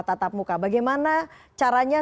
tetap muka bagaimana caranya